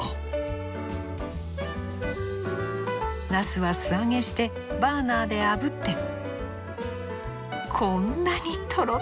ナスは素揚げしてバーナーであぶってこんなにトロトロ。